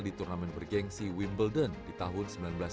di turnamen bergensi wimbledon di tahun seribu sembilan ratus sembilan puluh